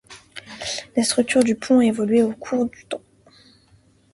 La structure du pont a évolué au cours du temps.